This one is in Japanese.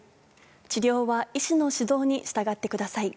治療は医師の指導に従ってください。